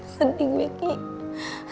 sedih gue kiki